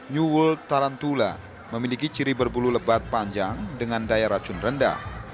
new world tarantula memiliki ciri berbulu lebat panjang dengan daya racun rendah